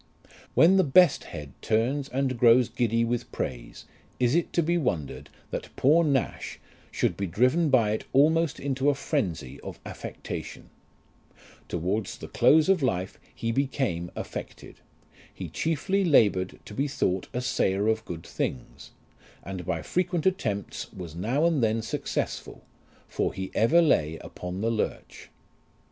"When the best head turns and grows giddy with praise, is it to be wondered that poor Nash should be driven by it almost into a phrenzy of affectation ? Towards the close of life he became affected. He chiefly laboured to be thought a sayer of good things ; and by frequent attempts was now and then successful, for he ever lay upon the lurch.